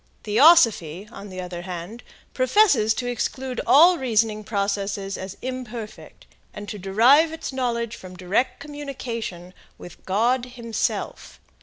Theosophy, on the other hand, professes to exclude all reasoning processes as imperfect, and to derive its knowledge from direct communication with God himself.